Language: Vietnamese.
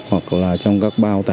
hoặc là trong các bao